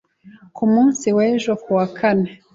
ku munsi w'ejo ku wa kane